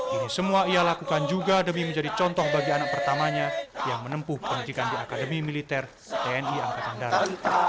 ini semua ia lakukan juga demi menjadi contoh bagi anak pertamanya yang menempuh pendidikan di akademi militer tni angkatan darat